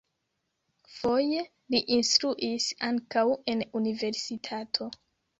Foje li instruis ankaŭ en universitato.